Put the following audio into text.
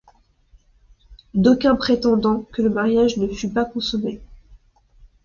D'aucuns prétendent que le mariage ne fut pas consommé.